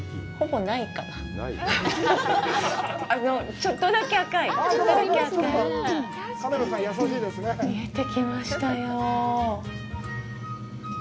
ちょっとだけ赤い。見えてきましたよ。